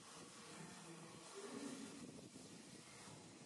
Medici v Benátkách.